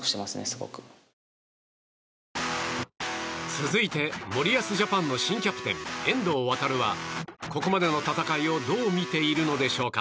続いて森保ジャパンの新キャプテン、遠藤航はここまでの戦いをどう見ているのでしょうか。